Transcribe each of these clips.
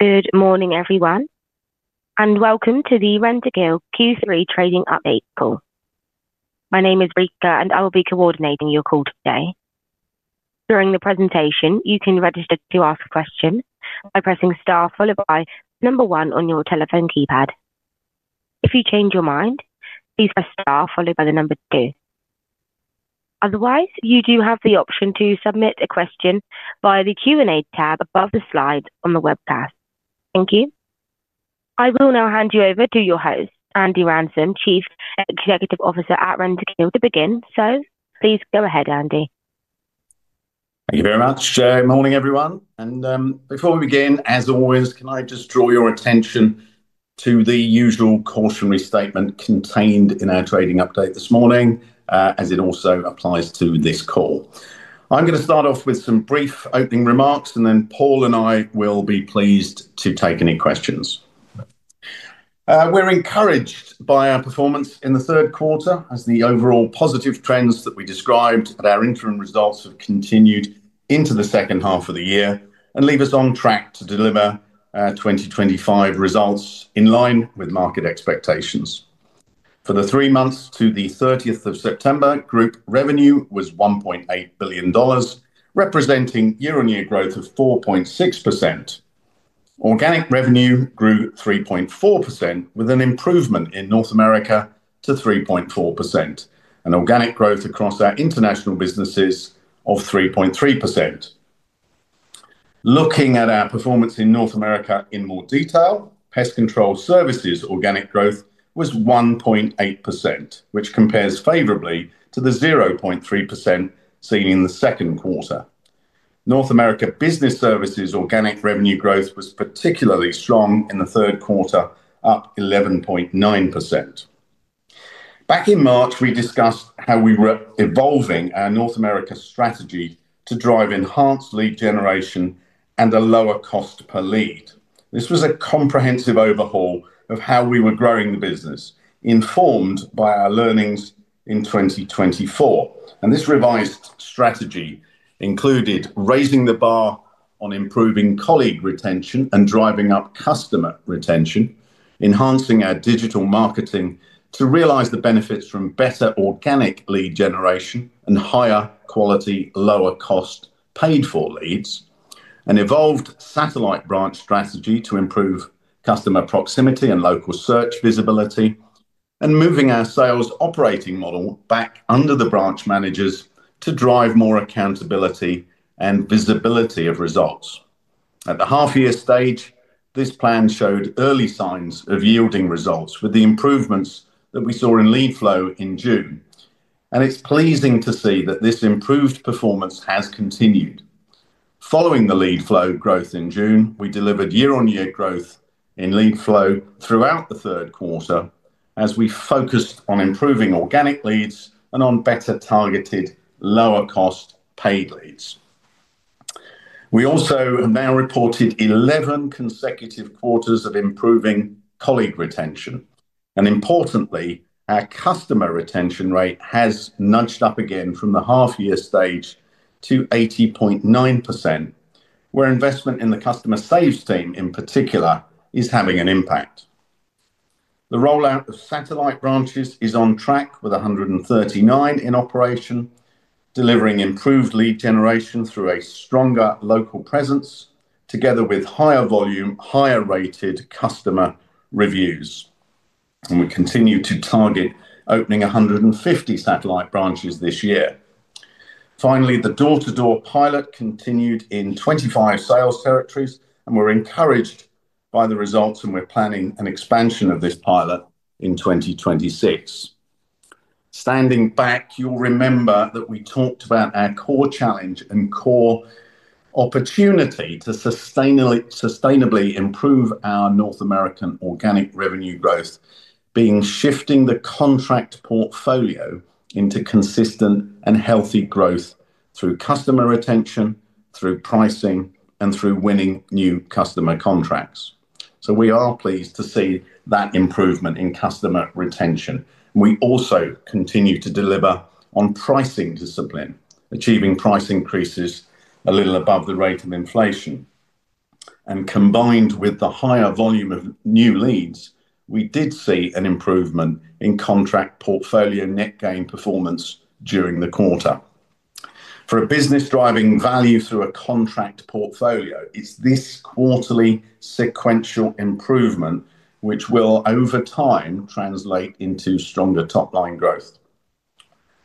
Good morning, everyone, and welcome to the Rentokil Initial Q3 trading update call. My name is Rika, and I will be coordinating your call today. During the presentation, you can register to ask questions by pressing star followed by the number one on your telephone keypad. If you change your mind, please press star followed by the number two. Otherwise, you do have the option to submit a question via the Q&A tab above the slides on the webcast. Thank you. I will now hand you over to your host, Andy Ransom, Chief Executive Officer at Rentokil Initial plc, to begin. Please go ahead, Andy. Thank you very much. Morning, everyone. Before we begin, as always, can I just draw your attention to the usual cautionary statement contained in our trading update this morning, as it also applies to this call. I'm going to start off with some brief opening remarks, and then Paul and I will be pleased to take any questions. We're encouraged by our performance in the third quarter, as the overall positive trends that we described at our interim results have continued into the second half of the year and leave us on track to deliver 2025 results in line with market expectations. For the three months to the 30th of September, group revenue was $1.8 billion, representing year-on-year growth of 4.6%. Organic revenue grew 3.4%, with an improvement in North America to 3.4%, and organic growth across our international businesses of 3.3%. Looking at our performance in North America in more detail, pest control services organic growth was 1.8%, which compares favorably to the 0.3% seen in the second quarter. North America business services organic revenue growth was particularly strong in the third quarter, up 11.9%. Back in March, we discussed how we were evolving our North America strategy to drive enhanced lead generation and a lower cost per lead. This was a comprehensive overhaul of how we were growing the business, informed by our learnings in 2024. This revised strategy included raising the bar on improving colleague retention and driving up customer retention, enhancing our digital marketing to realize the benefits from better organic lead generation and higher quality, lower cost, paid-for leads, an evolved satellite branch strategy to improve customer proximity and local search visibility, and moving our sales operating model back under the branch managers to drive more accountability and visibility of results. At the half-year stage, this plan showed early signs of yielding results with the improvements that we saw in lead flow in June. It's pleasing to see that this improved performance has continued. Following the lead flow growth in June, we delivered year-on-year growth in lead flow throughout the third quarter as we focused on improving organic leads and on better targeted lower cost paid leads. We also have now reported 11 consecutive quarters of improving colleague retention. Importantly, our customer retention rate has nudged up again from the half-year stage to 80.9%, where investment in the customer saves team in particular is having an impact. The rollout of satellite branches is on track with 139 in operation, delivering improved lead generation through a stronger local presence, together with higher volume, higher rated customer reviews. We continue to target opening 150 satellite branches this year. Finally, the door-to-door sales pilot continued in 25 sales territories, and we're encouraged by the results, and we're planning an expansion of this pilot in 2026. Standing back, you'll remember that we talked about our core challenge and core opportunity to sustainably improve our North American organic revenue growth, being shifting the contract portfolio into consistent and healthy growth through customer retention, through pricing, and through winning new customer contracts. We are pleased to see that improvement in customer retention. We also continue to deliver on pricing discipline, achieving price increases a little above the rate of inflation. Combined with the higher volume of new leads, we did see an improvement in contract portfolio net gain performance during the quarter. For a business driving value through a contract portfolio, it's this quarterly sequential improvement which will, over time, translate into stronger top-line growth.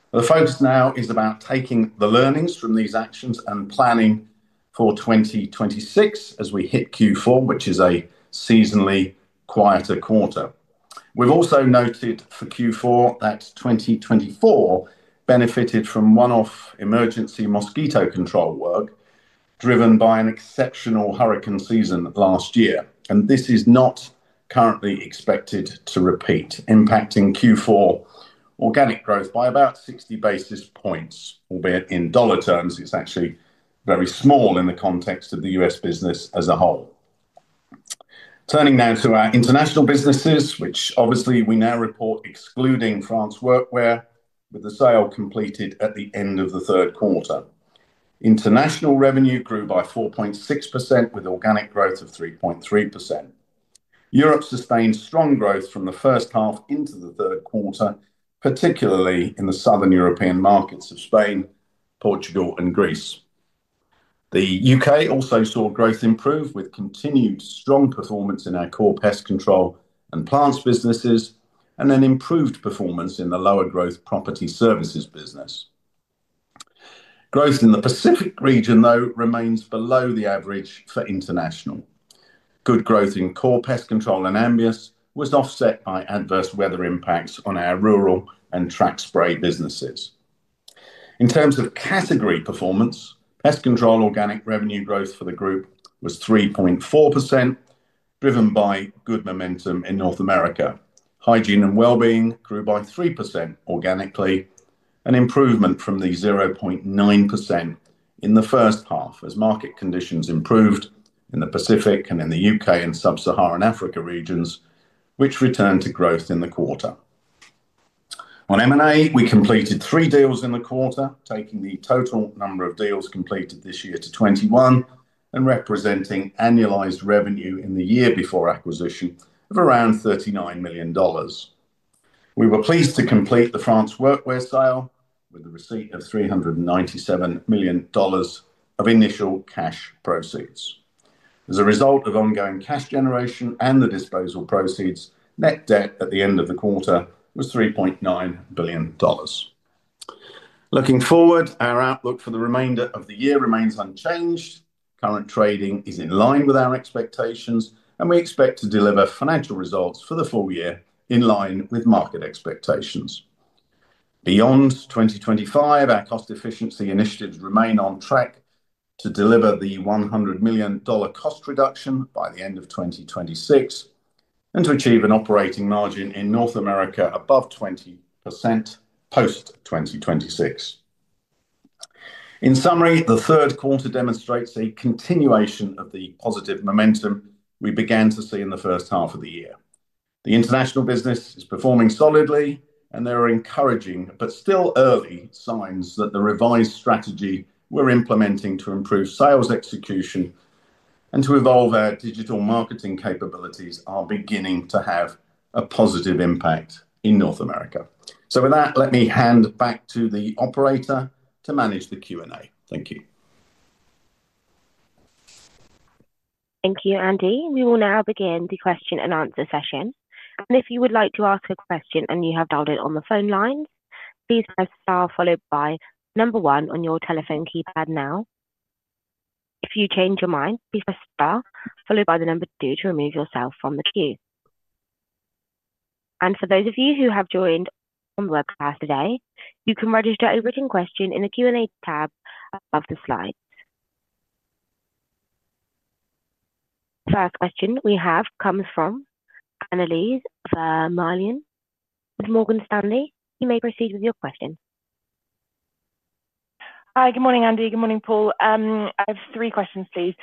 The focus now is about taking the learnings from these actions and planning for 2026 as we hit Q4, which is a seasonally quieter quarter. We've also noted for Q4 that 2024 benefited from one-off emergency mosquito control work driven by an exceptional hurricane season last year. This is not currently expected to repeat, impacting Q4 organic growth by about 60 basis points, albeit in dollar terms. It's actually very small in the context of the U.S. business as a whole. Turning now to our international businesses, which obviously we now report excluding France workwear, with the sale completed at the end of the third quarter. International revenue grew by 4.6%, with organic growth of 3.3%. Europe sustained strong growth from the first half into the third quarter, particularly in the southern European markets of Spain, Portugal, and Greece. The UK also saw growth improve with continued strong performance in our core pest control and plants businesses, and then improved performance in the lower growth property services business. Growth in the Pacific region, though, remains below the average for international. Good growth in core pest control and ambients was offset by adverse weather impacts on our rural and tract spray businesses. In terms of category performance, pest control organic revenue growth for the group was 3.4%, driven by good momentum in North America. Hygiene and well-being grew by 3% organically, an improvement from the 0.9% in the first half as market conditions improved in the Pacific and in the UK and sub-Saharan Africa regions, which returned to growth in the quarter. On M&A, we completed three deals in the quarter, taking the total number of deals completed this year to 21 and representing annualized revenue in the year before acquisition of around $39 million. We were pleased to complete the France workwear sale with the receipt of $397 million of initial cash proceeds. As a result of ongoing cash generation and the disposal proceeds, net debt at the end of the quarter was $3.9 billion. Looking forward, our outlook for the remainder of the year remains unchanged. Current trading is in line with our expectations, and we expect to deliver financial results for the full year in line with market expectations. Beyond 2025, our cost efficiency initiatives remain on track to deliver the $100 million cost reduction by the end of 2026 and to achieve an operating margin in North America above 20% post-2026. In summary, the third quarter demonstrates a continuation of the positive momentum we began to see in the first half of the year. The international business is performing solidly, and there are encouraging but still early signs that the revised strategy we're implementing to improve sales execution and to evolve our digital marketing capabilities are beginning to have a positive impact in North America. Let me hand back to the operator to manage the Q&A. Thank you. Thank you, Andy. We will now begin the question and answer session. If you would like to ask a question and you have dialed in on the phone lines, please press star followed by the number one on your telephone keypad now. If you change your mind, please press star followed by the number number to remove yourself from the queue. For those of you who have joined on the webcast today, you can register a written question in the Q&A tab above the slides. The first question we have comes from Annelies Vermeulen with Morgan Stanley. You may proceed with your question. Hi, good morning, Andy. Good morning, Paul. I have three questions, please.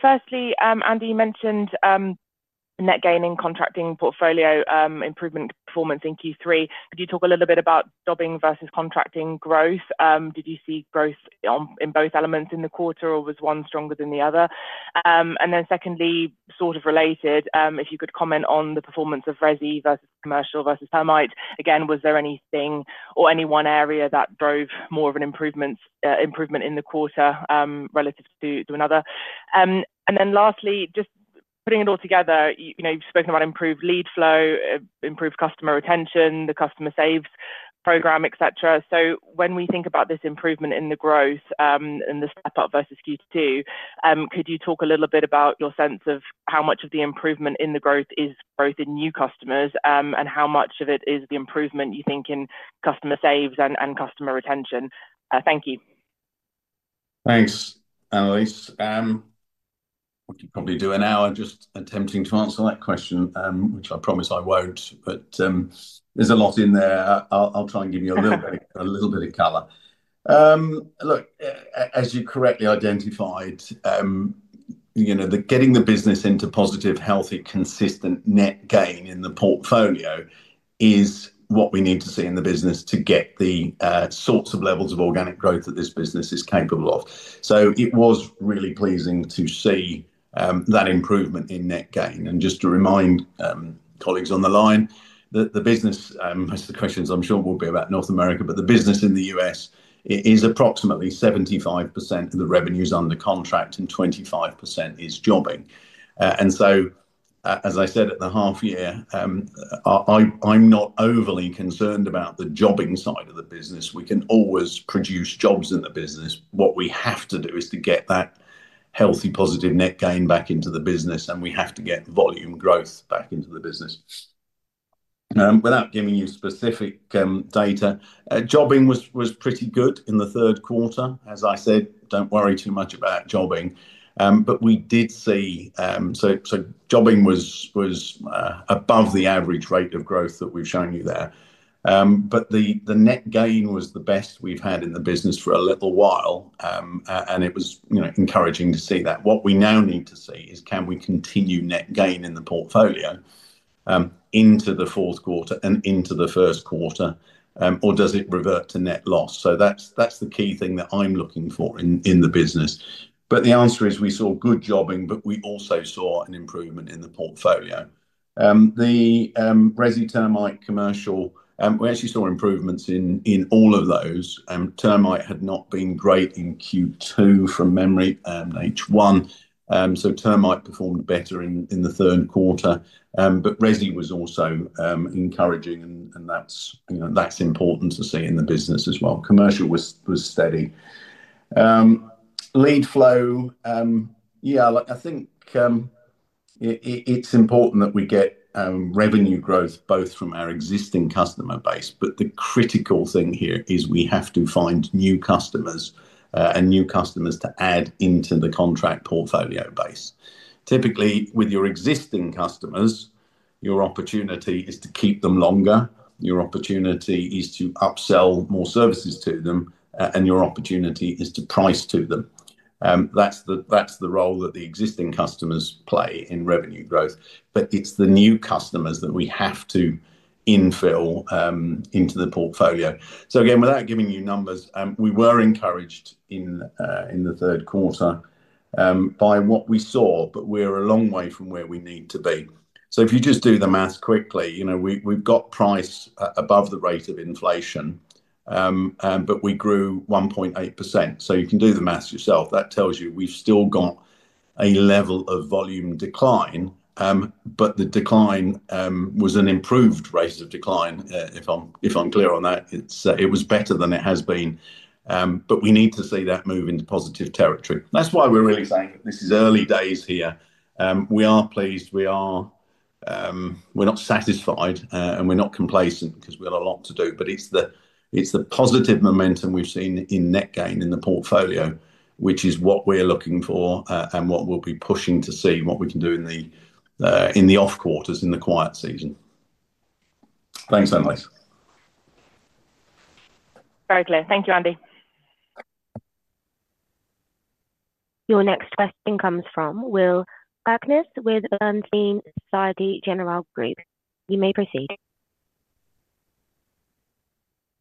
Firstly, Andy, you mentioned contract portfolio net gain improvement performance in Q3. Could you talk a little bit about dubbing versus contract portfolio growth? Did you see growth in both elements in the quarter, or was one stronger than the other? Secondly, sort of related, if you could comment on the performance of resi versus commercial versus permit. Was there anything or any one area that drove more of an improvement in the quarter relative to another? Lastly, just putting it all together, you've spoken about improved lead flow, improved customer retention, the customer saves program, et cetera. When we think about this improvement in the growth and the step up versus Q2, could you talk a little bit about your sense of how much of the improvement in the growth is growth in new customers and how much of it is the improvement you think in customer saves and customer retention? Thank you. Thanks, Annelies. I could probably do an hour just attempting to answer that question, which I promise I won't, but there's a lot in there. I'll try and give you a little bit of color. Look, as you correctly identified, getting the business into positive, healthy, consistent net gain in the portfolio is what we need to see in the business to get the sorts of levels of organic growth that this business is capable of. It was really pleasing to see that improvement in net gain. Just to remind colleagues on the line, the business, as the questions, I'm sure, will be about North America, but the business in the U.S. is approximately 75% of the revenues under contract and 25% is jobbing. As I said at the half-year, I'm not overly concerned about the jobbing side of the business. We can always produce jobs in the business. What we have to do is to get that healthy, positive net gain back into the business, and we have to get volume growth back into the business. Without giving you specific data, jobbing was pretty good in the third quarter. As I said, don't worry too much about jobbing. We did see, so jobbing was above the average rate of growth that we've shown you there. The net gain was the best we've had in the business for a little while, and it was encouraging to see that. What we now need to see is can we continue net gain in the portfolio into the fourth quarter and into the first quarter, or does it revert to net loss? That's the key thing that I'm looking for in the business. The answer is we saw good jobbing, but we also saw an improvement in the portfolio. The resi, termite, commercial, we actually saw improvements in all of those. Termite had not been great in Q2 from memory and H1, so termite performed better in the third quarter, but resi was also encouraging, and that's important to see in the business as well. Commercial was steady. Lead flow, yeah, I think it's important that we get revenue growth both from our existing customer base, but the critical thing here is we have to find new customers and new customers to add into the contract portfolio base. Typically, with your existing customers, your opportunity is to keep them longer, your opportunity is to upsell more services to them, and your opportunity is to price to them. That's the role that the existing customers play in revenue growth. It's the new customers that we have to infill into the portfolio. Again, without giving you numbers, we were encouraged in the third quarter by what we saw, but we're a long way from where we need to be. If you just do the math quickly, you know we've got price above the rate of inflation, but we grew 1.8%. You can do the math yourself. That tells you we've still got a level of volume decline, but the decline was an improved rate of decline, if I'm clear on that. It was better than it has been, but we need to see that move into positive territory. That's why we're really saying that this is early days here. We are pleased. We're not satisfied, and we're not complacent because we've got a lot to do, but it's the positive momentum we've seen in net gain in the portfolio, which is what we're looking for and what we'll be pushing to see what we can do in the off quarters, in the quiet season. Thanks, Annelies. Very clear. Thank you, Andy. Your next question comes from William Kirkness with Société Générale Group. You may proceed.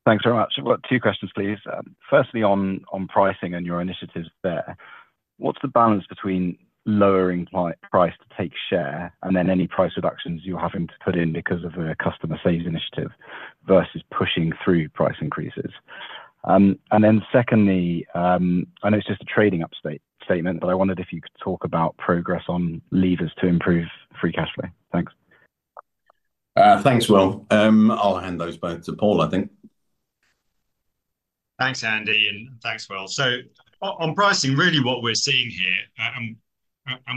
Thanks very much. I've got two questions, please. Firstly, on pricing and your initiatives there, what's the balance between lowering price to take share and then any price reductions you're having to put in because of a customer save initiative versus pushing through price increases? Secondly, I know it's just a trading update statement, but I wondered if you could talk about progress on levers to improve free cash flow. Thanks. Thanks, Will. I'll hand those both to Paul, I think. Thanks, Andy, and thanks, Will. On pricing, really what we're seeing here, and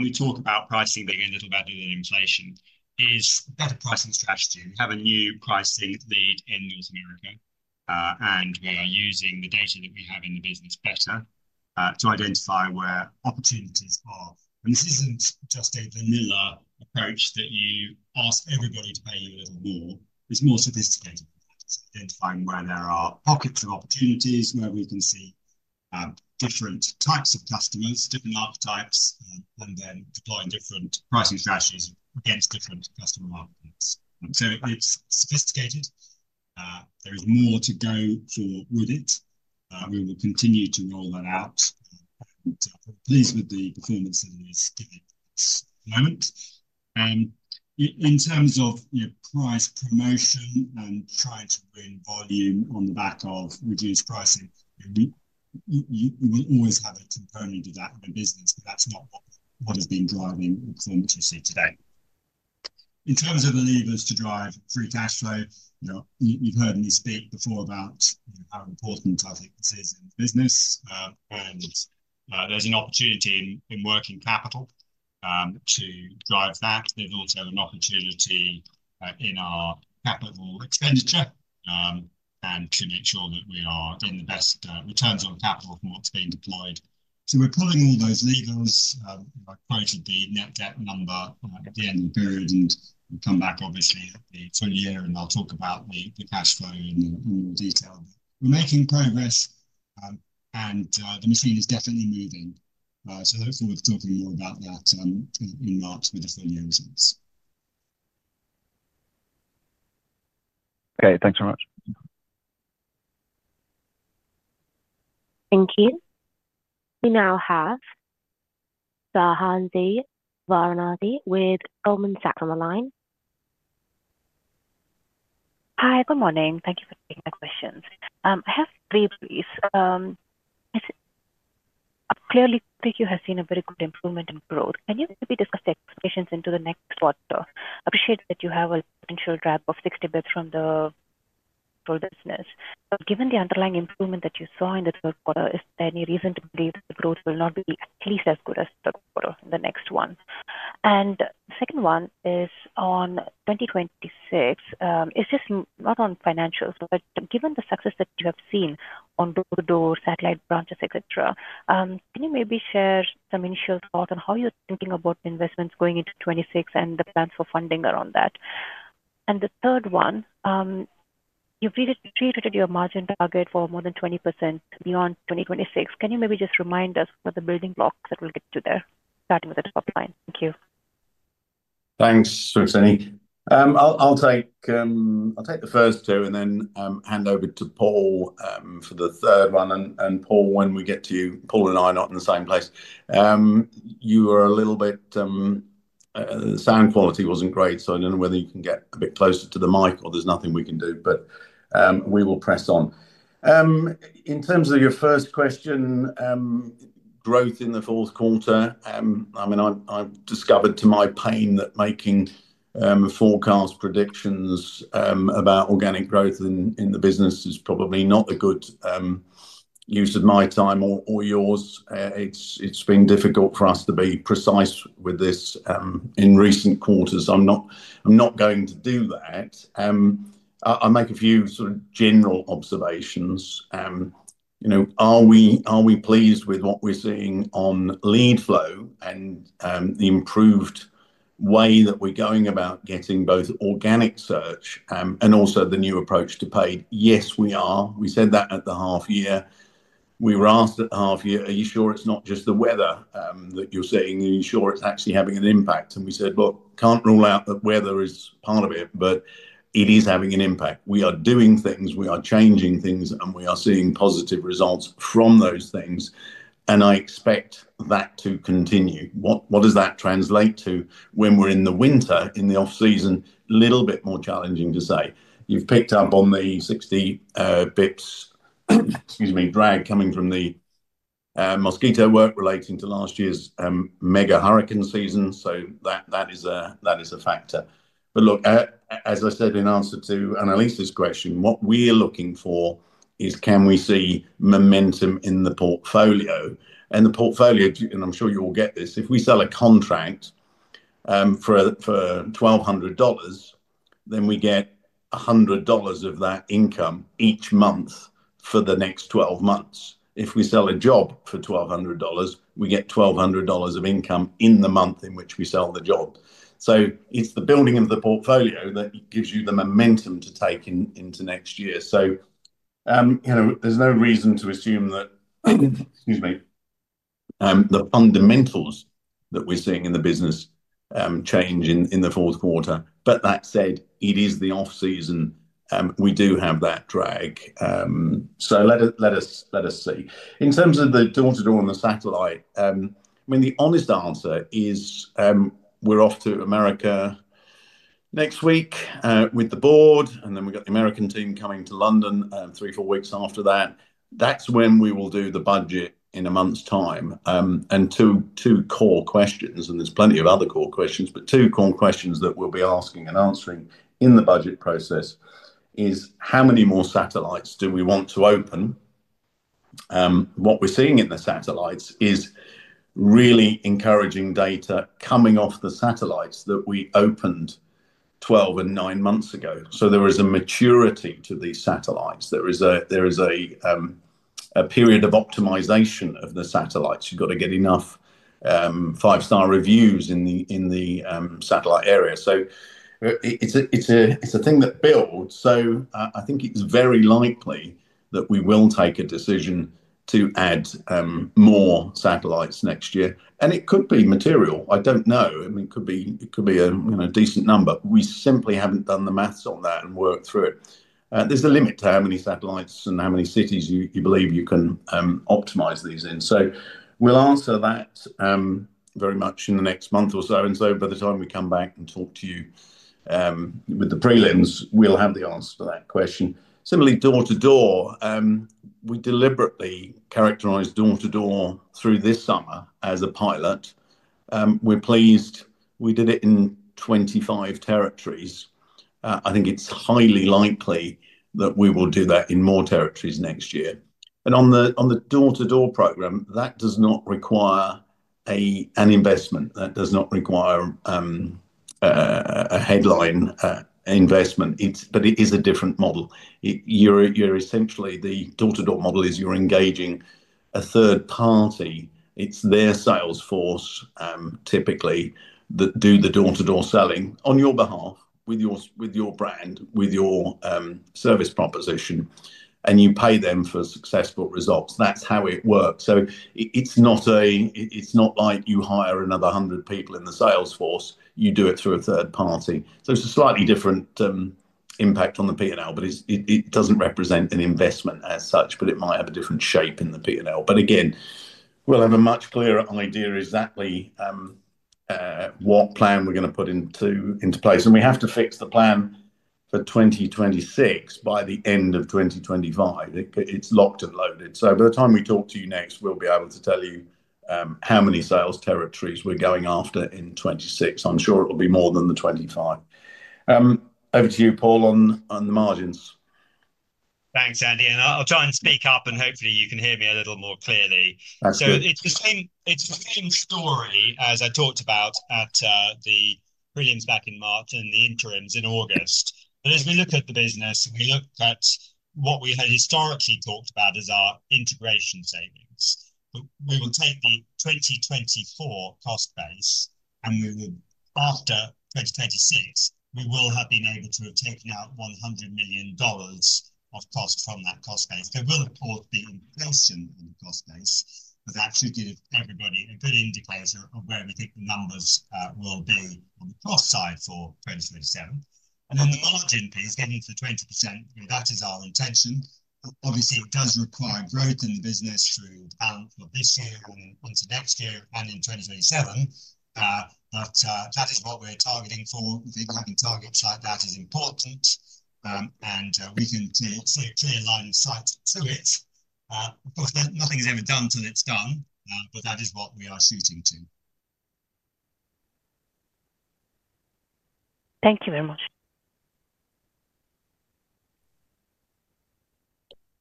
we talk about pricing being a little better than inflation, is better pricing strategy. We have a new pricing lead in North America, and we are using the data that we have in the business better to identify where opportunities are. This isn't just a vanilla approach that you ask everybody to pay you a little more. It's more sophisticated than that. It's identifying where there are pockets of opportunities, where we can see different types of customers, different archetypes, and then deploying different pricing strategies against different customer markets. It's sophisticated. There is more to go for with it. We will continue to roll that out. I'm pleased with the performance that it is giving at the moment. In terms of price promotion and trying to win volume on the back of reduced pricing, you will always have a component of that in a business, but that's not what has been driving the performance you see today. In terms of the levers to drive free cash flow, you've heard me speak before about how important I think this is in the business, and there's an opportunity in working capital to drive that. There's also an opportunity in our capital expenditure and to make sure that we are getting the best returns on capital from what's being deployed. We're pulling all those levers. I quoted the net debt number at the end of the period and come back, obviously, at the full year, and I'll talk about the cash flow in more detail. We're making progress, and the machine is definitely moving. Hopefully, we'll be talking more about that in March with the full year results. Okay, thanks very much. Thank you. We now have Suhasini Varanasi with Goldman Sachs Group on the line. Hi. Good morning. Thank you for taking my questions. I have three, please. I clearly think you have seen a very good improvement in growth. Can you maybe discuss the expectations into the next quarter? I appreciate that you have a potential drop of 60 bps from the total business. Given the underlying improvement that you saw in the third quarter, is there any reason to believe that the growth will not be at least as good as the third quarter in the next one? The second one is on 2026. It's just not on financials, but given the success that you have seen on door-to-door, satellite branches, et cetera, can you maybe share some initial thoughts on how you're thinking about the investments going into 2026 and the plans for funding around that? The third one, you've really treated your margin target for more than 20% beyond 2026. Can you maybe just remind us what the building blocks that will get you there, starting with the top line? Thank you. Thanks, Suhasini. I'll take the first two and then hand over to Paul for the third one. Paul and I are not in the same place. Your sound quality wasn't great, so I don't know whether you can get a bit closer to the mic or there's nothing we can do, but we will press on. In terms of your first question, growth in the fourth quarter, I've discovered to my pain that making forecast predictions about organic growth in the business is probably not a good use of my time or yours. It's been difficult for us to be precise with this in recent quarters, so I'm not going to do that. I'll make a few sort of general observations. Are we pleased with what we're seeing on lead flow and the improved way that we're going about getting both organic search and also the new approach to paid? Yes, we are. We said that at the half-year. We were asked at the half-year, "Are you sure it's not just the weather that you're seeing? Are you sure it's actually having an impact?" We said, "Look, can't rule out that weather is part of it, but it is having an impact. We are doing things, we are changing things, and we are seeing positive results from those things." I expect that to continue. What does that translate to when we're in the winter, in the off-season? A little bit more challenging to say. You've picked up on the 60 bps, excuse me, drag coming from the mosquito work relating to last year's mega hurricane season. That is a factor. As I said in answer to Annelies Judith Godelieve Vermeulen's question, what we are looking for is can we see momentum in the portfolio? The portfolio, and I'm sure you will get this, if we sell a contract for $1,200, then we get $100 of that income each month for the next 12 months. If we sell a job for $1,200, we get $1,200 of income in the month in which we sell the job. It's the building of the portfolio that gives you the momentum to take into next year. There's no reason to assume that, excuse me, the fundamentals that we're seeing in the business change in the fourth quarter. That said, it is the off-season. We do have that drag. Let us see. In terms of the door-to-door and the satellite, the honest answer is we're off to America next week with the board, and then we've got the American team coming to London three or four weeks after that. That's when we will do the budget in a month's time. Two core questions, and there's plenty of other core questions, but two core questions that we'll be asking and answering in the budget process are how many more satellite branches do we want to open. What we're seeing in the satellite branches is really encouraging data coming off the satellite branches that we opened 12 and 9 months ago. There is a maturity to these satellite branches. There is a period of optimization of the satellite branches. You've got to get enough five-star reviews in the satellite branch area. It is a thing that builds. I think it's very likely that we will take a decision to add more satellite branches next year. It could be material. I don't know. It could be a decent number. We simply haven't done the math on that and worked through it. There is a limit to how many satellite branches and how many cities you believe you can optimize these in. We will answer that very much in the next month or so. By the time we come back and talk to you with the prelims, we'll have the answer to that question. Similarly, door-to-door sales, we deliberately characterize door-to-door sales through this summer as a pilot. We're pleased. We did it in 25 territories. I think it's highly likely that we will do that in more territories next year. On the door-to-door sales program, that does not require an investment. That does not require a headline investment, but it is a different model. The door-to-door sales model is you're engaging a third party. It's their sales force typically that does the door-to-door selling on your behalf with your brand, with your service proposition, and you pay them for successful results. That's how it works. It's not like you hire another 100 people in the sales force. You do it through a third party. It's a slightly different impact on the P&L, but it doesn't represent an investment as such, but it might have a different shape in the P&L. We will have a much clearer idea exactly what plan we're going to put into place. We have to fix the plan for 2026 by the end of 2025. It's locked and loaded. By the time we talk to you next, we'll be able to tell you how many sales territories we're going after in 2026. I'm sure it'll be more than the 25. Over to you, Paul, on the margins. Thanks, Andy. I'll try and speak up, and hopefully, you can hear me a little more clearly. It's the same story as I talked about at the prelims back in March and the interims in August. As we look at the business, we look at what we had historically talked about as our integration savings. We will take the 2024 cost base, and after 2026, we will have been able to have taken out $100 million of cost from that cost base. There will, of course, be inflation on the cost base, but that should give everybody a good indicator of where we think the numbers will be on the cost side for 2027. The margin piece, getting to the 20%, that is our intention. Obviously, it does require growth in the business to balance what this year and into next year and in 2027. That is what we're targeting for. I think having targets like that is important, and we can clearly align the sites to it. Of course, nothing is ever done till it's done, but that is what we are shooting to. Thank you very much.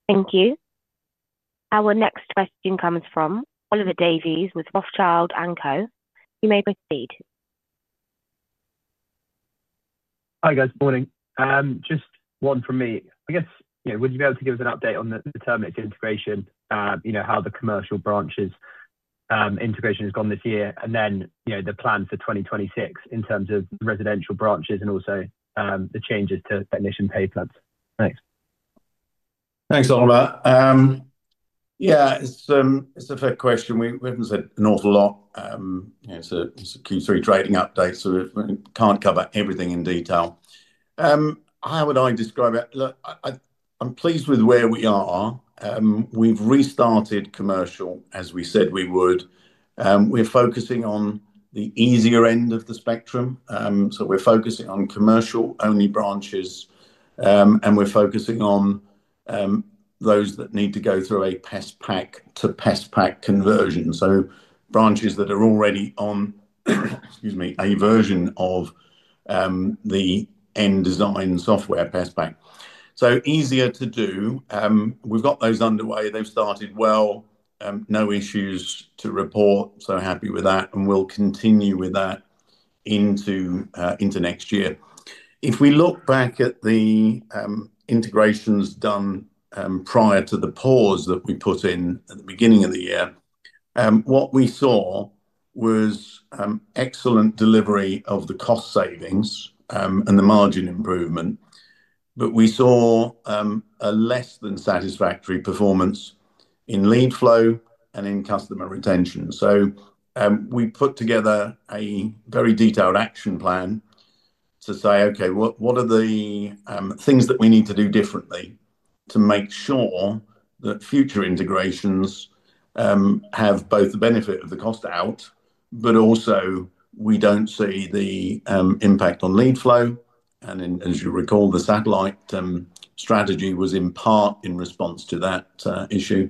Thank you. Our next question comes from Oliver Davies with Redburn (Europe) Limited. You may proceed. Hi, guys. Good morning. Just one from me. I guess, you know, would you be able to give us an update on the term of integration, you know, how the commercial branches' integration has gone this year, and then, you know, the plan for 2026 in terms of the residential branches and also the changes to technician pay plans? Thanks. Thanks, Oliver. Yeah, it's a fair question. We haven't said an awful lot. It's a Q3 trading update, so we can't cover everything in detail. How would I describe it? Look, I'm pleased with where we are. We've restarted commercial, as we said we would. We're focusing on the easier end of the spectrum. We're focusing on commercial-only branches, and we're focusing on those that need to go through a PES pack to PES pack conversion. Branches that are already on, excuse me, a version of the end design software PES pack. Easier to do. We've got those underway. They've started well. No issues to report. Happy with that. We'll continue with that into next year. If we look back at the integrations done prior to the pause that we put in at the beginning of the year, what we saw was excellent delivery of the cost savings and the margin improvement. We saw a less than satisfactory performance in lead flow and in customer retention. We put together a very detailed action plan to say, "Okay, what are the things that we need to do differently to make sure that future integrations have both the benefit of the cost out, but also we don't see the impact on lead flow?" As you recall, the satellite strategy was in part in response to that issue,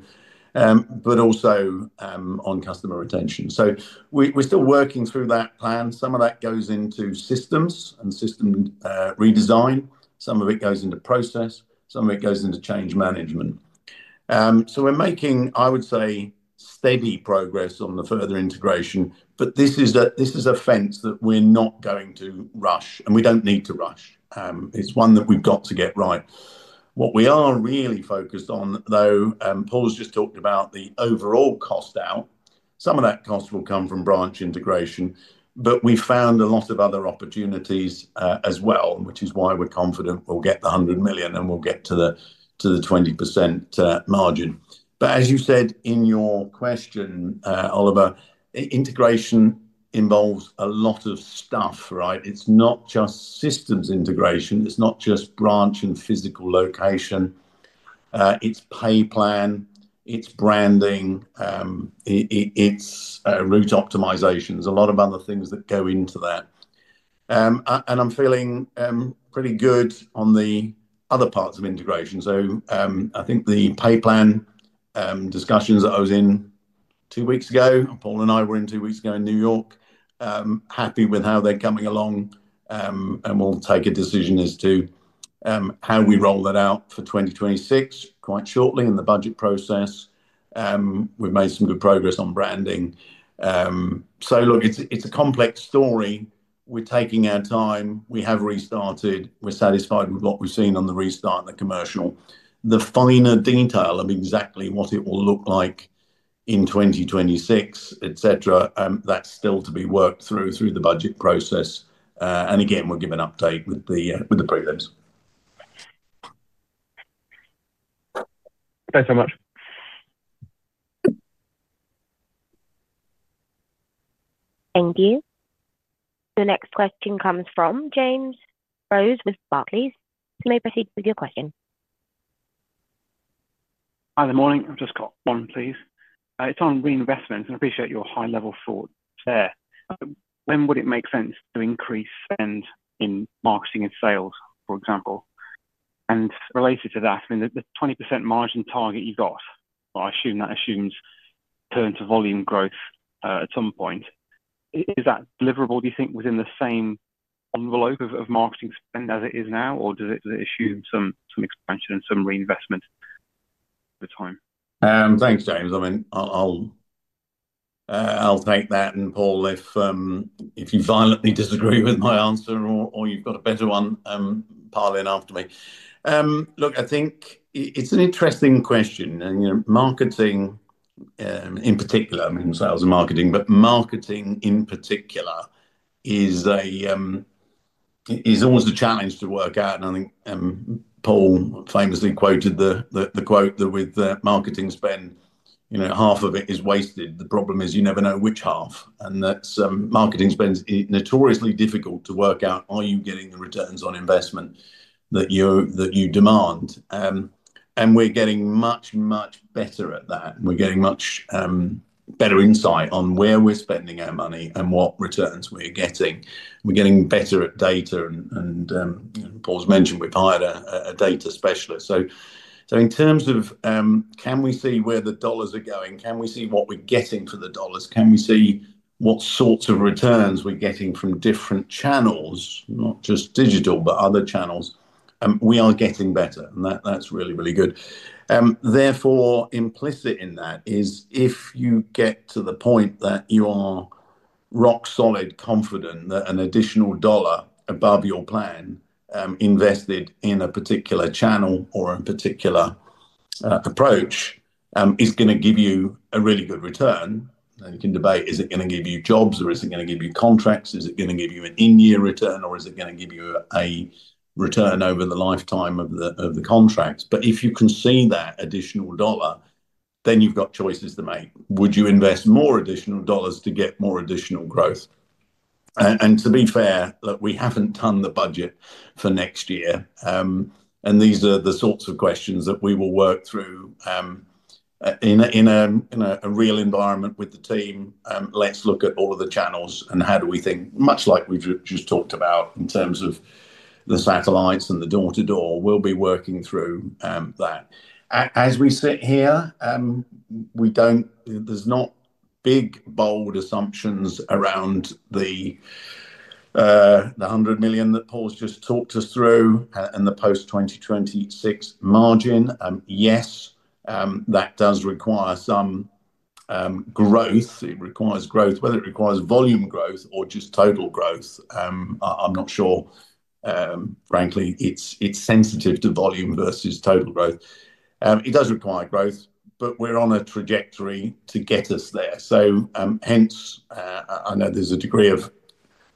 but also on customer retention. We're still working through that plan. Some of that goes into systems and system redesign. Some of it goes into process. Some of it goes into change management. We're making, I would say, steady progress on the further integration. This is a fence that we're not going to rush, and we don't need to rush. It's one that we've got to get right. What we are really focused on, though, Paul's just talked about the overall cost out. Some of that cost will come from branch integration, but we found a lot of other opportunities as well, which is why we're confident we'll get the $100 million and we'll get to the 20% margin. As you said in your question, Oliver, integration involves a lot of stuff, right? It's not just systems integration. It's not just branch and physical location. It's pay plan. It's branding. It's route optimizations. A lot of other things that go into that. I'm feeling pretty good on the other parts of integration. I think the pay plan discussions that I was in two weeks ago, Paul and I were in two weeks ago in New York, happy with how they're coming along. We will take a decision as to how we roll that out for 2026 quite shortly in the budget process. We've made some good progress on branding. It's a complex story. We're taking our time. We have restarted. We're satisfied with what we've seen on the restart and the commercial. The finer detail of exactly what it will look like in 2026, etc., is still to be worked through through the budget process. We will give an update with the prelims. Thanks very much. Thank you. The next question comes from James Rosenthal with Barclays Bank PLC. You may proceed with your question. Hi, good morning. I've just got one, please. It's on reinvestments, and I appreciate your high-level thought there. When would it make sense to increase spend in marketing and sales, for example? Related to that, I mean, the 20% margin target you got, I assume that assumes turn to volume growth at some point. Is that deliverable, do you think, within the same envelope of marketing spend as it is now, or does it assume some expansion and some reinvestment over time? Thanks, James. I'll take that. Paul, if you violently disagree with my answer or you've got a better one, pile in after me. I think it's an interesting question. Marketing in particular, I mean, sales and marketing, but marketing in particular is always a challenge to work out. I think Paul famously quoted the quote that with marketing spend, half of it is wasted. The problem is you never know which half. Marketing spend is notoriously difficult to work out. Are you getting the returns on investment that you demand? We're getting much, much better at that. We're getting much better insight on where we're spending our money and what returns we're getting. We're getting better at data. Paul's mentioned we've hired a data specialist. In terms of can we see where the dollars are going? Can we see what we're getting for the dollars? Can we see what sorts of returns we're getting from different channels, not just digital, but other channels? We are getting better. That's really, really good. Therefore, implicit in that is if you get to the point that you are rock solid confident that an additional dollar above your plan invested in a particular channel or a particular approach is going to give you a really good return, you can debate, is it going to give you jobs or is it going to give you contracts? Is it going to give you an in-year return or is it going to give you a return over the lifetime of the contracts? If you can see that additional dollar, then you've got choices to make. Would you invest more additional dollars to get more additional growth? To be fair, we haven't done the budget for next year. These are the sorts of questions that we will work through in a real environment with the team. Let's look at all of the channels and how do we think, much like we've just talked about in terms of the satellites and the door-to-door, we'll be working through that. As we sit here, there's not big, bold assumptions around the $100 million that Paul's just talked us through and the post-2026 margin. Yes, that does require some growth. It requires growth, whether it requires volume growth or just total growth. I'm not sure. Frankly, it's sensitive to volume versus total growth. It does require growth, but we're on a trajectory to get us there. I know there's a degree of,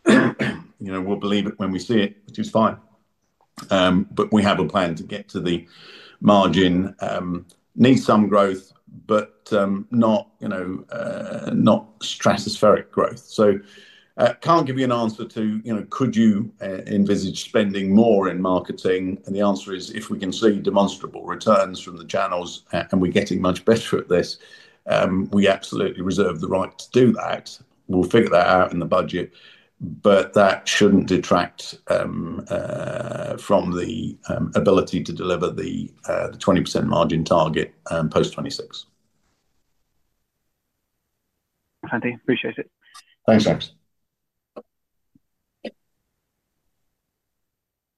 you know, we'll believe it when we see it, which is fine. We have a plan to get to the margin. Needs some growth, not stratospheric growth. I can't give you an answer to, you know, could you envisage spending more in marketing? The answer is, if we can see demonstrable returns from the channels and we're getting much better at this, we absolutely reserve the right to do that. We'll figure that out in the budget, but that shouldn't detract from the ability to deliver the 20% margin target post 2026. Thank you. Appreciate it. Thanks, thanks.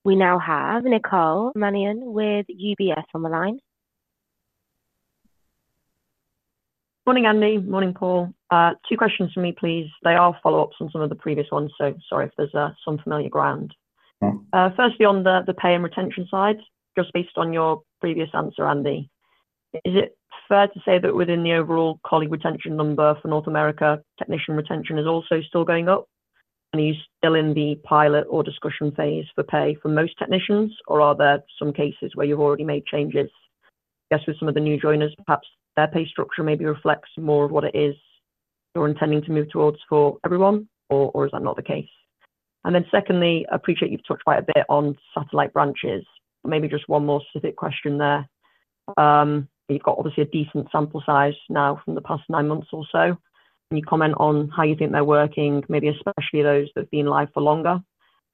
We now have Nicole Manion with UBS Investment Bank on the line. Morning, Andy. Morning, Paul. Two questions for me, please. They are follow-ups on some of the previous ones, so sorry if there's some familiar ground. First, beyond the pay and retention side, just based on your previous answer, Andy, is it fair to say that within the overall colleague retention number for North America, technician retention is also still going up? Are you still in the pilot or discussion phase for pay for most technicians, or are there some cases where you've already made changes? I guess with some of the new joiners, perhaps their pay structure maybe reflects more of what it is you're intending to move towards for everyone, or is that not the case? Secondly, I appreciate you've touched quite a bit on satellite branches, but maybe just one more specific question there. You've got obviously a decent sample size now from the past nine months or so. Can you comment on how you think they're working, maybe especially those that have been live for longer, and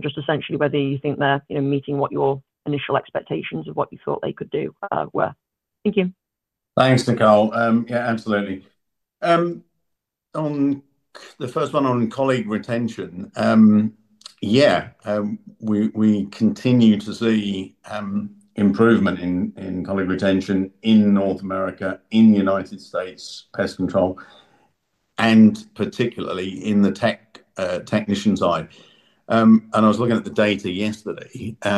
just essentially whether you think they're meeting what your initial expectations of what you thought they could do were? Thank you. Thanks, Nicole. Yeah, absolutely. On the first one on colleague retention, we continue to see improvement in colleague retention in North America, in the United States, pest control, and particularly in the technician side. I was looking at the data yesterday. I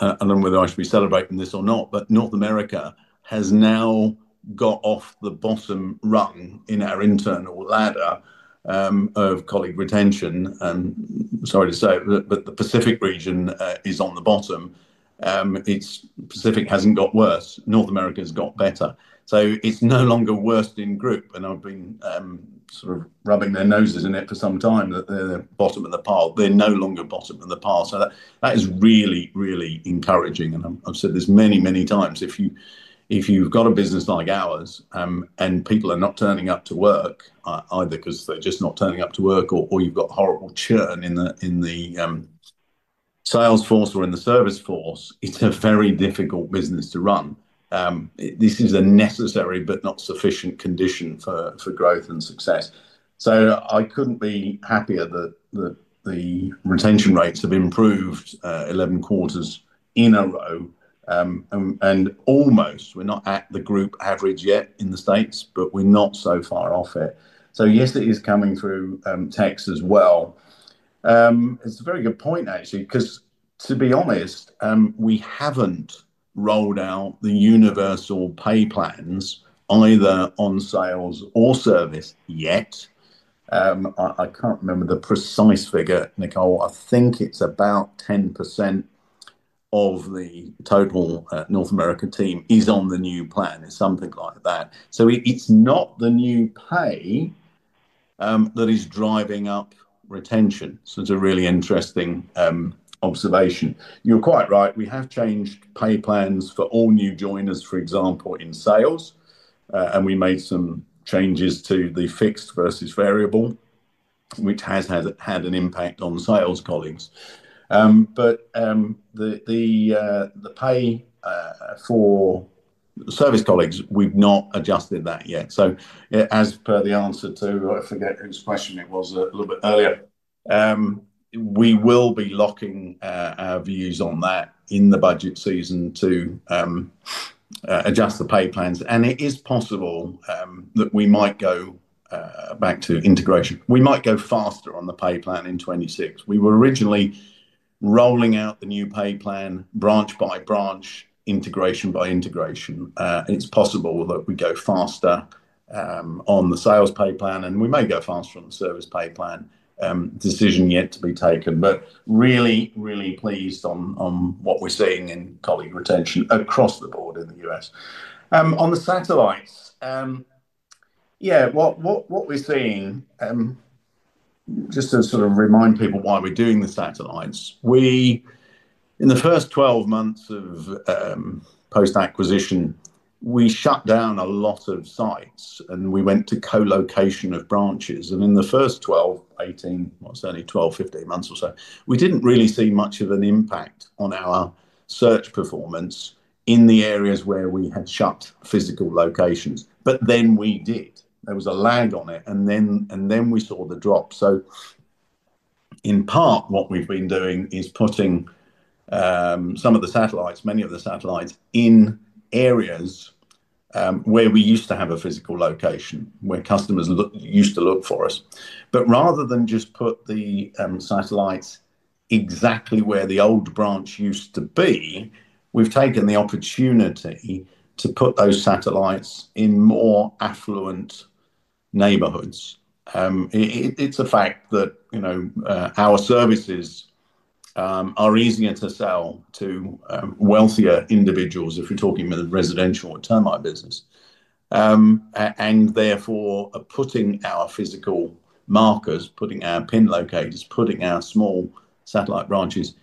don't know whether I should be celebrating this or not, but North America has now got off the bottom rung in our internal ladder of colleague retention. Sorry to say it, but the Pacific region is on the bottom. Pacific hasn't got worse. North America has got better. It is no longer worst in group. I have been sort of rubbing their noses in it for some time that they're the bottom of the pile. They're no longer bottom of the pile. That is really, really encouraging. I have said this many, many times. If you've got a business like ours and people are not turning up to work, either because they're just not turning up to work or you've got horrible churn in the sales force or in the service force, it's a very difficult business to run. This is a necessary but not sufficient condition for growth and success. I couldn't be happier that the retention rates have improved 11 quarters in a row. Almost, we're not at the group average yet in the States, but we're not so far off it. Yes, it is coming through techs as well. It's a very good point, actually, because to be honest, we haven't rolled out the universal pay plans either on sales or service yet. I can't remember the precise figure, Nicole. I think it's about 10% of the total North America team is on the new plan. It's something like that. It is not the new pay that is driving up retention. It's a really interesting observation. You're quite right. We have changed pay plans for all new joiners, for example, in sales. We made some changes to the fixed versus variable, which has had an impact on sales colleagues. The pay for service colleagues, we've not adjusted that yet. As per the answer to, I forget whose question it was a little bit earlier, we will be locking our views on that in the budget season to adjust the pay plans. It is possible that we might go back to integration. We might go faster on the pay plan in 2026. We were originally rolling out the new pay plan branch by branch, integration by integration. It is possible that we go faster on the sales pay plan, and we may go faster on the service pay plan. Decision yet to be taken. Really, really pleased on what we're seeing in colleague retention across the board in the U.S. On the satellites, what we're seeing, just to sort of remind people why we're doing the satellites, in the first 12 months post-acquisition, we shut down a lot of sites and we went to co-location of branches. In the first 12 months-18 months, what's only 12 months-15 months or so, we didn't really see much of an impact on our search performance in the areas where we had shut physical locations. We did. There was a lag on it, and then we saw the drop. In part, what we've been doing is putting some of the satellites, many of the satellites in areas where we used to have a physical location, where customers used to look for us. Rather than just put the satellites exactly where the old branch used to be, we've taken the opportunity to put those satellites in more affluent neighborhoods. It's a fact that our services are easier to sell to wealthier individuals if we're talking about the residential or termite business. Therefore, putting our physical markers, putting our pin locators, putting our small satellite branches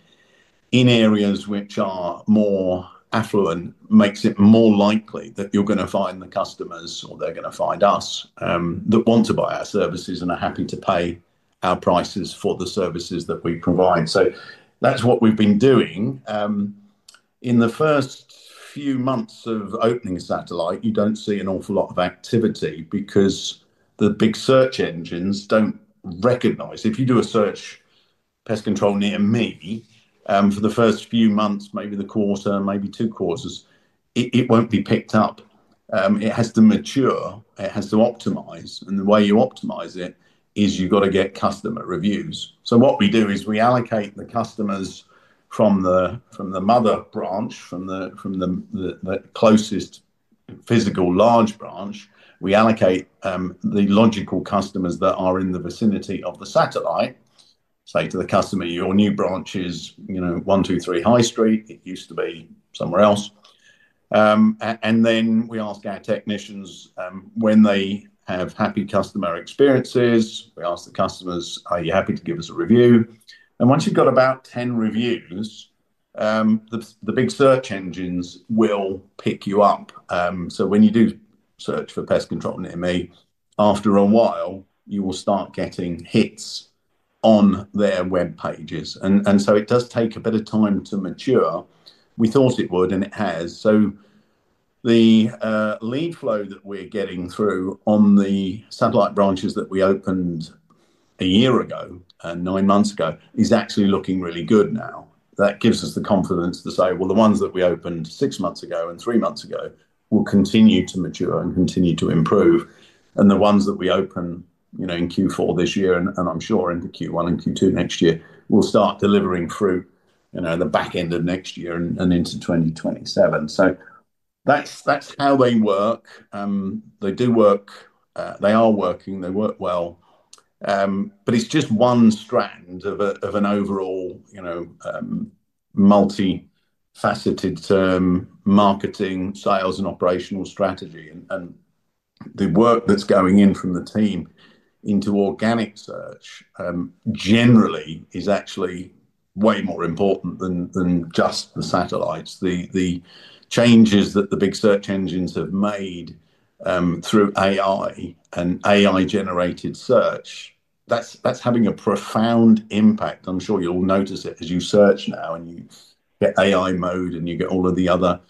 in areas which are more affluent makes it more likely that you're going to find the customers or they're going to find us that want to buy our services and are happy to pay our prices for the services that we provide. That's what we've been doing. In the first few months of opening a satellite, you don't see an awful lot of activity because the big search engines don't recognize. If you do a search, "Pest control near me," for the first few months, maybe the quarter, maybe two quarters, it won't be picked up. It has to mature. It has to optimize. The way you optimize it is you've got to get customer reviews. What we do is we allocate the customers from the mother branch, from the closest physical large branch. We allocate the logical customers that are in the vicinity of the satellite. Say to the customer, "Your new branch is 123 High Street. It used to be somewhere else." We ask our technicians when they have happy customer experiences. We ask the customers, "Are you happy to give us a review?" Once you've got about 10 reviews, the big search engines will pick you up. When you do search for "Pest control near me," after a while, you will start getting hits on their web pages. It does take a bit of time to mature. We thought it would, and it has. The lead flow that we're getting through on the satellite branches that we opened a year ago and nine months ago is actually looking really good now. That gives us the confidence to say the ones that we opened six months ago and three months ago will continue to mature and continue to improve. The ones that we open in Q4 this year, and I'm sure into Q1 and Q2 next year, will start delivering fruit the back end of next year and into 2027. That's how they work. They do work. They are working. They work well. It's just one strand of an overall multifaceted marketing, sales, and operational strategy. The work that's going in from the team into organic search generally is actually way more important than just the satellites. The changes that the big search engines have made through AI and AI-generated search are having a profound impact. I'm sure you'll notice it as you search now and you get AI mode and you get all of the other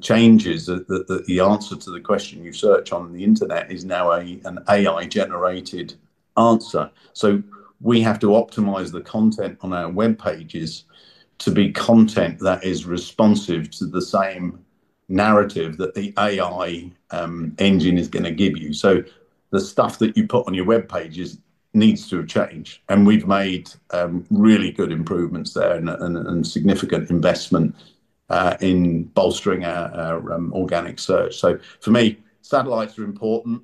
changes that the answer to the question you search on the internet is now an AI-generated answer. We have to optimize the content on our web pages to be content that is responsive to the same narrative that the AI engine is going to give you. The stuff that you put on your web pages needs to change. We've made really good improvements there and significant investment in bolstering our organic search. For me, satellites are important.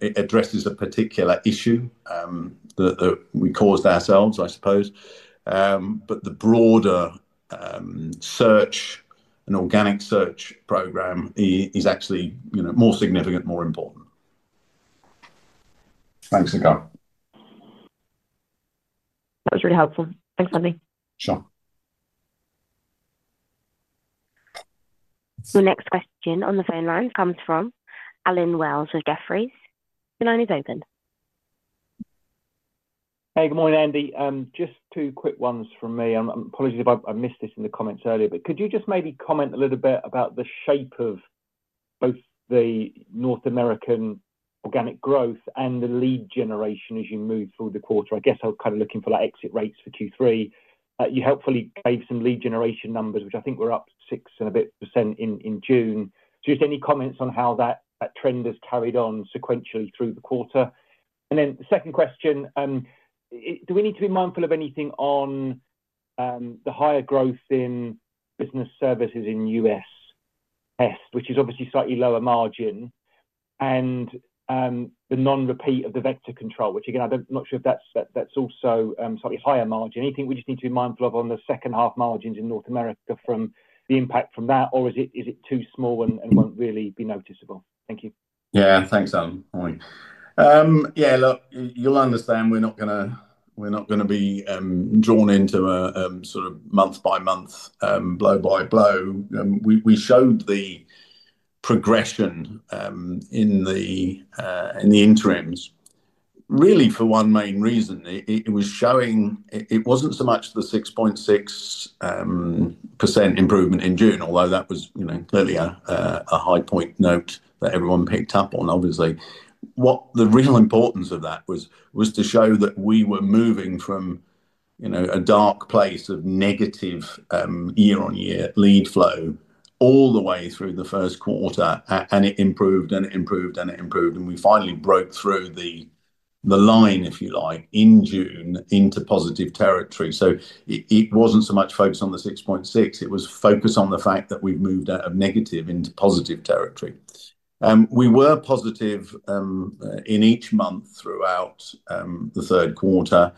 It addresses a particular issue that we caused ourselves, I suppose. The broader search and organic search program is actually more significant, more important. Thanks, Nicole. Pleasure to help. Thanks, Andy. Sure. The next question on the phone line comes from Allen Wells of Jefferies. The line is open. Hey, good morning, Andy. Just two quick ones from me. Apologies if I missed this in the comments earlier, but could you just maybe comment a little bit about the shape of both the North American organic growth and the lead generation as you move through the quarter? I guess I'm kind of looking for like exit rates for Q3. You helpfully gave some lead generation numbers, which I think were up 6% and a bit in June. Just any comments on how that trend has carried on sequentially through the quarter? The second question, do we need to be mindful of anything on the higher growth in business services in the U.S., which is obviously slightly lower margin, and the non-repeat of the vector control, which again, I'm not sure if that's also slightly higher margin? Anything we just need to be mindful of on the second half margins in North America from the impact from that, or is it too small and won't really be noticeable? Thank you. Yeah, thanks, Allen. Yeah, look, you'll understand we're not going to be drawn into a sort of month-by-month, blow-by-blow. We showed the progression in the interims, really for one main reason. It was showing it wasn't so much the 6.6% improvement in June, although that was clearly a high point note that everyone picked up on, obviously. What the real importance of that was to show that we were moving from a dark place of negative year-on-year lead flow all the way through the first quarter, and it improved, and it improved, and it improved. We finally broke through the line, if you like, in June into positive territory. It wasn't so much focused on the 6.6%. It was focused on the fact that we've moved out of negative into positive territory. We were positive in each month throughout the third quarter.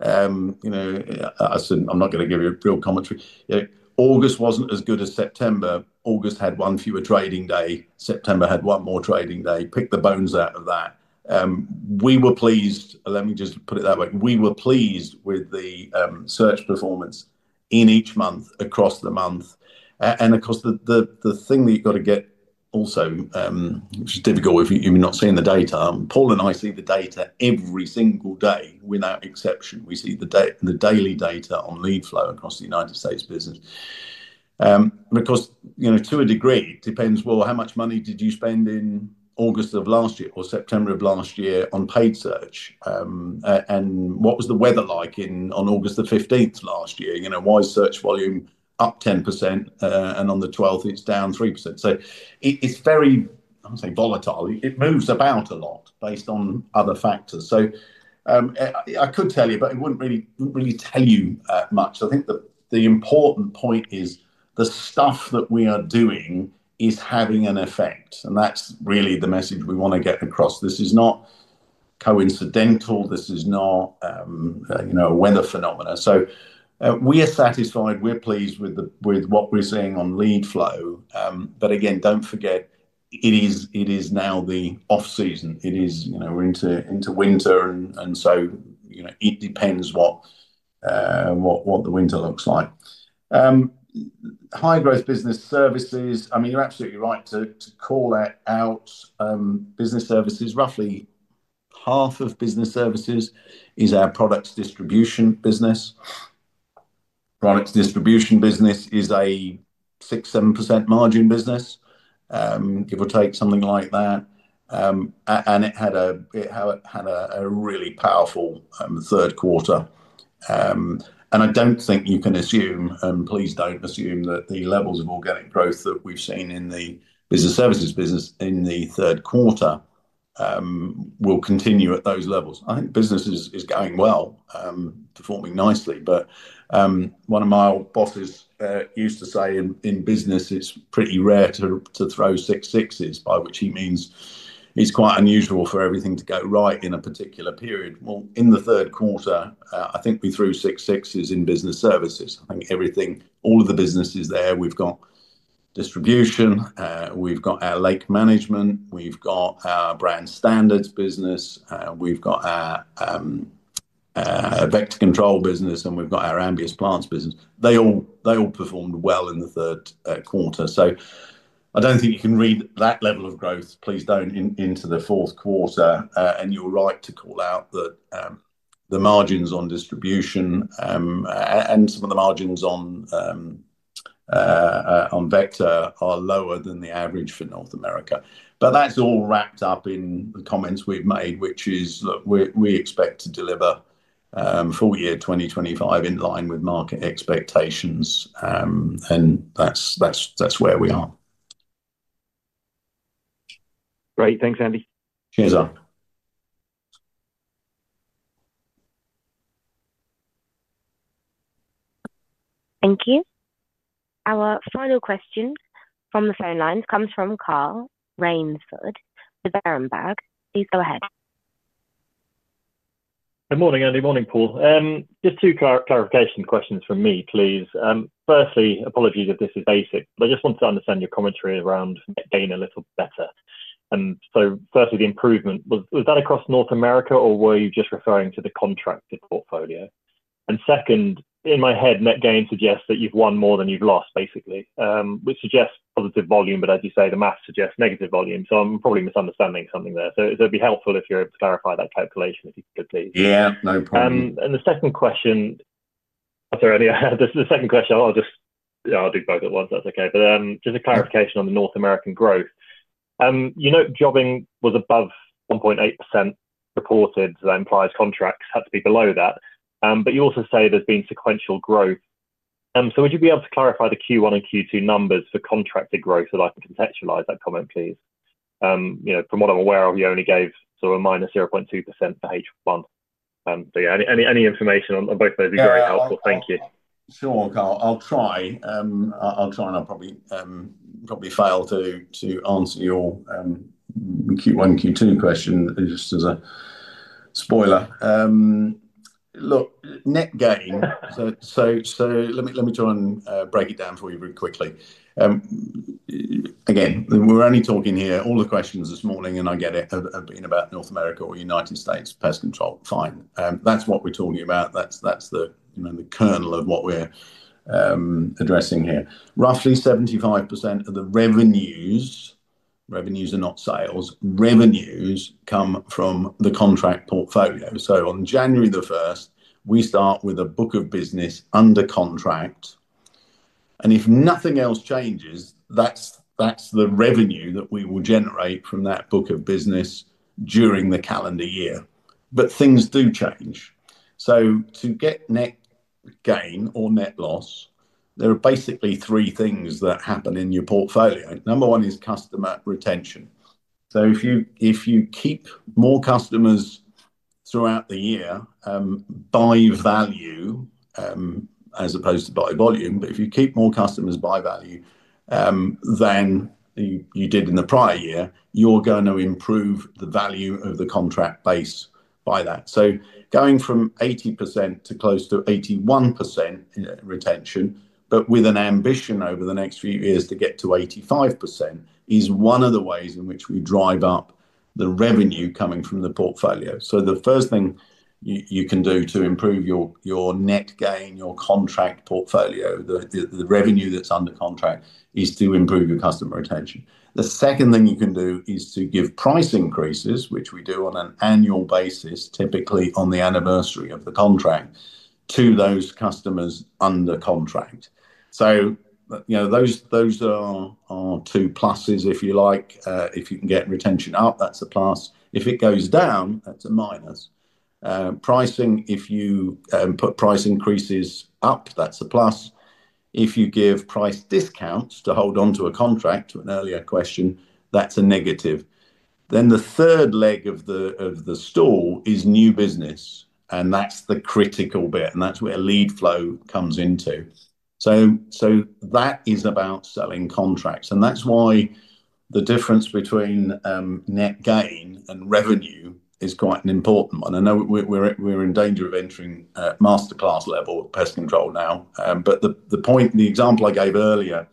I'm not going to give you a real commentary. August wasn't as good as September. August had one fewer trading day. September had one more trading day. Pick the bones out of that. We were pleased. Let me just put it that way. We were pleased with the search performance in each month across the month. The thing that you've got to get also, which is difficult if you're not seeing the data, Paul and I see the data every single day without exception. We see the daily data on lead flow across the United States business. Of course, to a degree, it depends, well, how much money did you spend in August of last year or September of last year on paid search? What was the weather like on August the 15th of last year? Why is search volume up 10% and on the 12th it's down 3%? It's very, I would say, volatile. It moves about a lot based on other factors. I could tell you, but it wouldn't really tell you much. I think the important point is the stuff that we are doing is having an effect. That's really the message we want to get across. This is not coincidental. This is not a weather phenomenon. We are satisfied. We're pleased with what we're seeing on lead flow. Again, don't forget, it is now the off-season. We're into winter, and it depends what the winter looks like. High growth business services, I mean, you're absolutely right to call that out. Business services, roughly half of business services is our products distribution business. Products distribution business is a 6%-7% margin business, give or take something like that. It had a really powerful third quarter. I don't think you can assume, and please don't assume, that the levels of organic growth that we've seen in the business services business in the third quarter will continue at those levels. I think business is going well, performing nicely. One of my bosses used to say in business, it's pretty rare to throw six sixes, by which he means it's quite unusual for everything to go right in a particular period. In the third quarter, I think we threw six sixes in business services. I think everything, all of the businesses there, we've got distribution, we've got our lake management, we've got our brand standards business, we've got our vector control business, and we've got our ambient plants business. They all performed well in the third quarter. I don't think you can read that level of growth, please don't, into the fourth quarter. You're right to call out that the margins on distribution and some of the margins on vector are lower than the average for North America. That's all wrapped up in the comments we've made, which is that we expect to deliver full year 2025 in line with market expectations. That's where we are. Great. Thanks, Andy Ransom. Cheers up. Thank you. Our final question from the phone lines comes from Carl Reinsford with Arenberg. Please go ahead. Good morning, Andy. Morning, Paul. Just two clarification questions from me, please. Firstly, apologies if this is basic, but I just wanted to understand your commentary around net gain a little better. Firstly, the improvement, was that across North America, or were you just referring to the contract portfolio? In my head, net gain suggests that you've won more than you've lost, basically, which suggests positive volume, but as you say, the maths suggest negative volume. I'm probably misunderstanding something there. It'd be helpful if you're able to clarify that calculation, if you could, please. Yeah, no problem. The second question, I'm sorry, Andy, the second question, I'll just, yeah, I'll do both at once, that's okay. Just a clarification on the North American growth. You note jobbing was above 1.8% reported, so that implies contracts had to be below that. You also say there's been sequential growth. Would you be able to clarify the Q1 and Q2 numbers for contracted growth so that I can contextualize that comment, please? From what I'm aware of, you only gave sort of a -0.2% for H1. Any information on both of those would be very helpful. Thank you. Sure, Carl. I'll try. I'll try and I'll probably fail to answer your Q1 and Q2 question just as a spoiler. Look, net gain, let me try and break it down for you very quickly. Again, we're only talking here, all the questions this morning, and I get it, have been about North America or United States pest control. Fine. That's what we're talking about. That's the kernel of what we're addressing here. Roughly 75% of the revenues, revenues are not sales, revenues come from the contract portfolio. On January 1, we start with a book of business under contract. If nothing else changes, that's the revenue that we will generate from that book of business during the calendar year. Things do change. To get net gain or net loss, there are basically three things that happen in your portfolio. Number one is customer retention. If you keep more customers throughout the year by value as opposed to by volume, but if you keep more customers by value than you did in the prior year, you're going to improve the value of the contract base by that. Going from 80% to close to 81% retention, with an ambition over the next few years to get to 85%, is one of the ways in which we drive up the revenue coming from the portfolio. The first thing you can do to improve your net gain, your contract portfolio, the revenue that's under contract, is to improve your customer retention. The second thing you can do is to give price increases, which we do on an annual basis, typically on the anniversary of the contract, to those customers under contract. Those are two pluses, if you like. If you can get retention up, that's a plus. If it goes down, that's a minus. Pricing, if you put price increases up, that's a plus. If you give price discounts to hold onto a contract, to an earlier question, that's a negative. The third leg of the stool is new business, and that's the critical bit, and that's where lead flow comes into. That is about selling contracts. That's why the difference between net gain and revenue is quite an important one. I know we're in danger of entering masterclass level pest control now. The point, the example I gave earlier,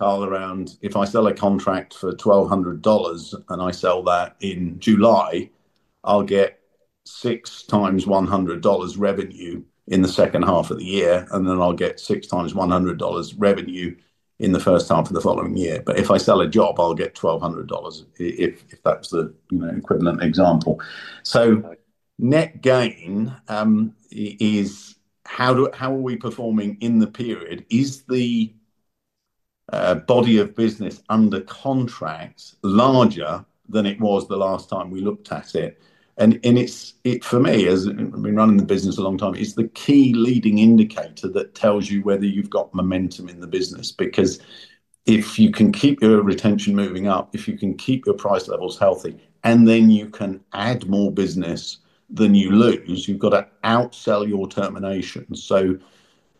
Carl, around if I sell a contract for $1,200 and I sell that in July, I'll get six times $100 revenue in the second half of the year, and then I'll get six times $100 revenue in the first half of the following year. If I sell a job, I'll get $1,200 if that's the equivalent example. Net gain is how are we performing in the period? Is the body of business under contracts larger than it was the last time we looked at it? For me, as I've been running the business a long time, it's the key leading indicator that tells you whether you've got momentum in the business. If you can keep your retention moving up, if you can keep your price levels healthy, and then you can add more business than you lose, you've got to outsell your terminations.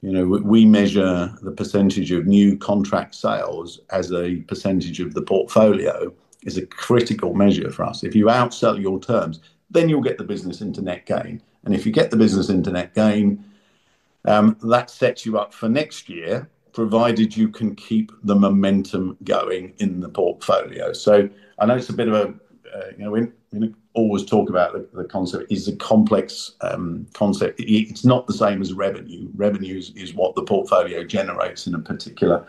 We measure the percentage of new contract sales as a percentage of the portfolio, which is a critical measure for us. If you outsell your terms, then you'll get the business into net gain. If you get the business into net gain, that sets you up for next year, provided you can keep the momentum going in the portfolio. I know it's a bit of a, you know, we always talk about the concept as a complex concept. It's not the same as revenue. Revenue is what the portfolio generates in a particular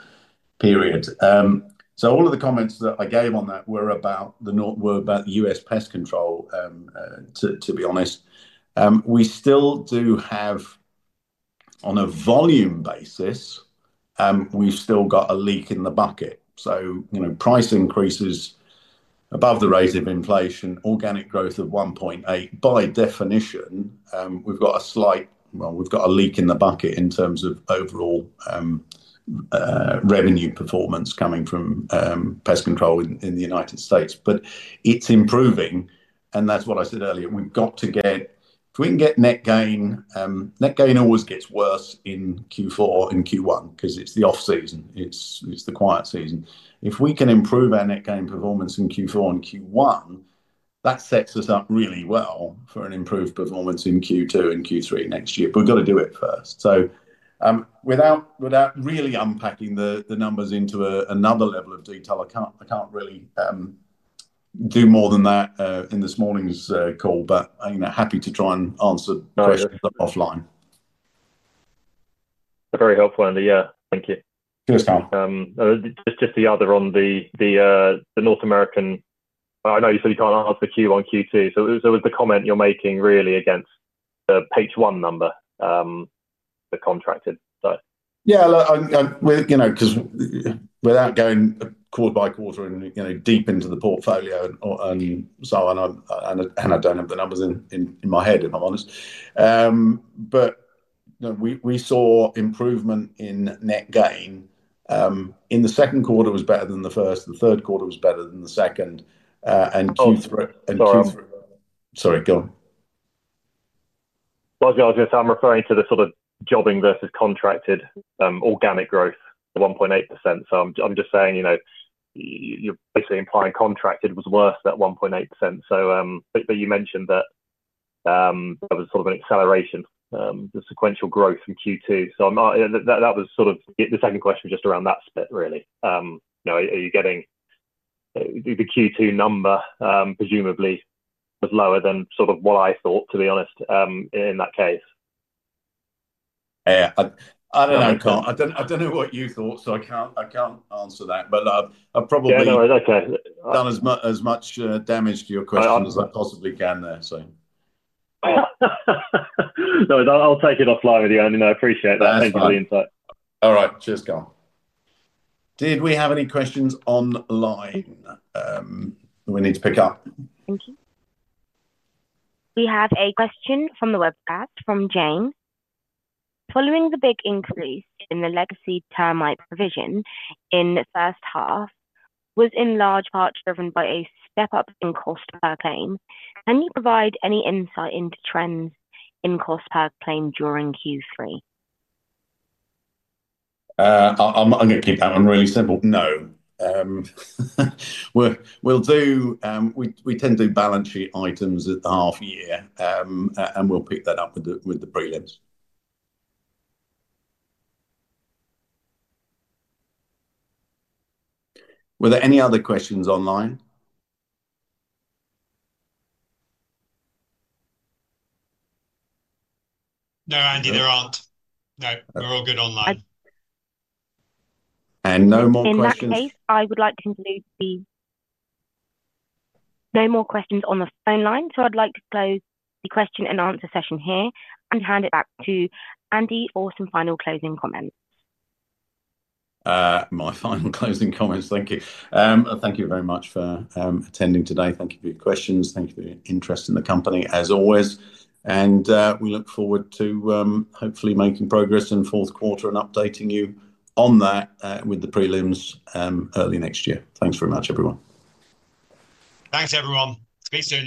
period. All of the comments that I gave on that were about the U.S. pest control, to be honest. We still do have, on a volume basis, we've still got a leak in the bucket. Price increases above the rate of inflation, organic growth of 1.8%. By definition, we've got a slight, we've got a leak in the bucket in terms of overall revenue performance coming from pest control in the United States. It's improving. That's what I said earlier. If we can get net gain, net gain always gets worse in Q4 and Q1 because it's the off-season. It's the quiet season. If we can improve our net gain performance in Q4 and Q1, that sets us up really well for an improved performance in Q2 and Q3 next year. We've got to do it first. Without really unpacking the numbers into another level of detail, I can't really do more than that in this morning's call, but happy to try and answer questions that are offline. Very helpful, Andy. Thank you. Cheers, Carl. Just on the North American, I know you said you can't answer the Q1 and Q2. Was the comment you're making really against the page one number, the contracted side? Yeah, look, you know, without going quarter by quarter and deep into the portfolio and so on, I don't have the numbers in my head, if I'm honest. We saw improvement in net gain. In the second quarter, it was better than the first. The third quarter was better than the second. Q3, sorry, go on. I'm referring to the sort of jobbing versus contracted organic growth, the 1.8%. I'm just saying, you know, you're basically implying contracted was worse than 1.8%. You mentioned that there was sort of an acceleration, the sequential growth in Q2. That was the second question just around that split, really. Are you getting the Q2 number presumably was lower than what I thought, to be honest, in that case? I don't know, Carl. I don't know what you thought, so I can't answer that. I've probably done as much damage to your question as I possibly can there. No, I'll take it offline with you, Andy. I appreciate that. Thank you for the insight. All right. Cheers, Carl. Did we have any questions online that we need to pick up? Thank you. We have a question from the webcast from Jane. Following the big increase in the legacy termite provision in the first half, which was in large part driven by a step-up in cost per claim, can you provide any insight into trends in cost per claim during Q3? I'm going to keep that one really simple. No. We tend to do balance sheet items at the half year, and we'll pick that up with the prelims. Were there any other questions online? No, Andy Ransom, there aren't. No, we're all good online. And no more questions. In that case, I would like to conclude the no more questions on the phone line. I'd like to close the question and answer session here and hand it back to Andy for some final closing comments. My final closing comments, thank you. Thank you very much for attending today. Thank you for your questions. Thank you for your interest in the company, as always. We look forward to hopefully making progress in the fourth quarter and updating you on that with the prelims early next year. Thanks very much, everyone. Thanks, everyone. Speak soon.